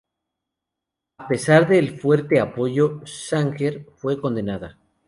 A pesar del fuerte apoyo, Sanger fue condenada.